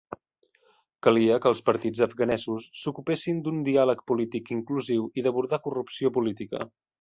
Calia que els partits afganesos s'ocupessin d'un diàleg polític inclusiu i d'abordar corrupció política.